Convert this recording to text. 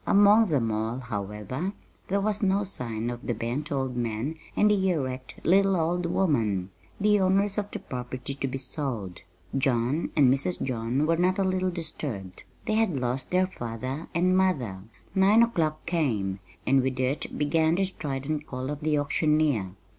Among them all, however, there was no sign of the bent old man and the erect little old woman, the owners of the property to be sold. John and Mrs. John were not a little disturbed they had lost their father and mother. Nine o'clock came, and with it began the strident call of the auctioneer.